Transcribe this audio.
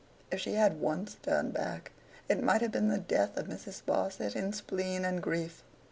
If she had once turned back, it might have been the death of Mrs. Sparsit in spleen and grief.